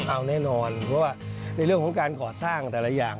เอาแน่นอนเพราะว่าในเรื่องของการก่อสร้างแต่ละอย่าง